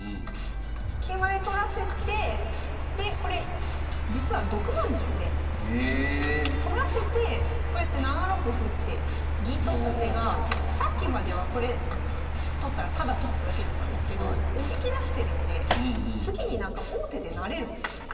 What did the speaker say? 桂馬で取らせてでこれ実は毒まんじゅうで取らせてこうやって７六歩って銀取った手がさっきまではこれ取ったらただ取っただけだったんですけどおびき出してるんで次に王手で成れるんですよ。